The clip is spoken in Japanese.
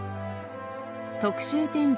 特集展示